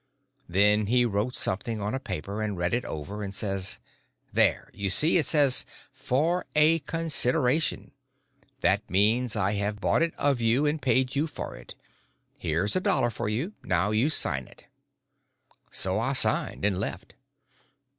Then he wrote something on a paper and read it over, and says: "There; you see it says 'for a consideration.' That means I have bought it of you and paid you for it. Here's a dollar for you. Now you sign it." So I signed it, and left.